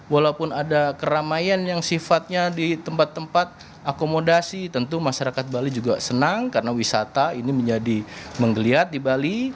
walaupun ada keramaian yang sifatnya di tempat tempat akomodasi tentu masyarakat bali juga senang karena wisata ini menjadi menggeliat di bali